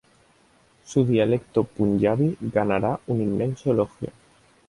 Su dialecto Punjabi ganará un inmenso elogio.